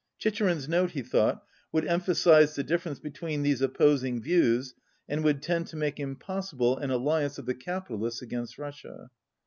Chicherin's note, he thought, would emphasize the difference between these opposing views and would tend to make im possible an alliance of the capitalists against Russia.